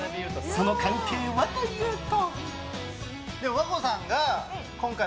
その関係はというと。